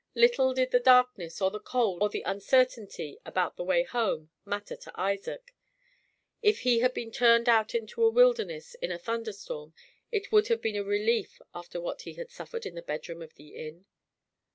Little did the darkness, or the cold, or the uncertainty about the way home matter to Isaac. If he had been turned out into a wilderness in a thunder storm it would have been a relief after what he had suffered in the bedroom of the inn.